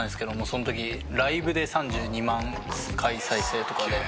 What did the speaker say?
その時ライブで３２万回再生とかで。